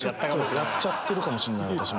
やっちゃってるかもしれない。